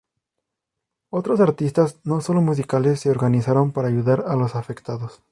Otros artistas, no solo musicales, se organizaron para ayudar a los afectados.